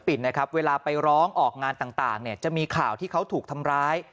นะครับเวลาไปร้องออกงานต่างเนี่ยจะมีข่าวที่เขาถูกทำร้าย